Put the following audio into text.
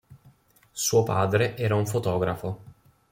Suo padre era un fotografo.